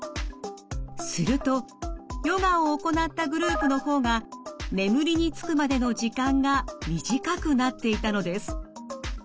するとヨガを行ったグループの方が眠りにつくまでの時間が短くなっていたのです。